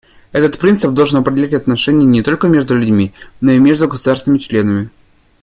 Этот принцип должен определять отношения не только между людьми, но и между государствами-членами.